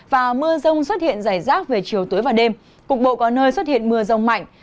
và mưa rông xuất hiện rải rác về chiều tối và đêm cục bộ có nơi xuất hiện mưa rông mạnh